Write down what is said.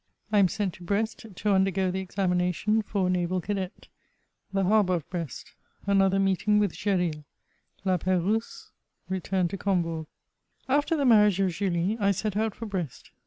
I Alf SENT TO BKBST TO UNDERGO THE EXAMINATION FOR A NAVAL CADET— THE HARBOUR OP BREST— ANOTHER MEETING WITH GEERIL — LA PER0U8E — RETURN TO COMBOURG. After the Tnarriage of Julie, I set out for Brest.